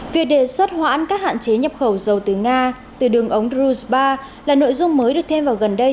việc đề xuất hoãn các hạn chế nhập khẩu dầu từ nga từ đường ống drus ba là nội dung mới được thêm vào gần đây